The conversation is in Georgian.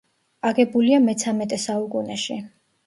აგებულია მეცამეტე საუკუნეში.